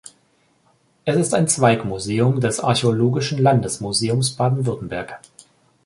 Es ist ein Zweigmuseum des Archäologischen Landesmuseums Baden-Württemberg.